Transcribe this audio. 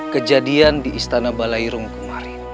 kejadian di istana balairum kemarin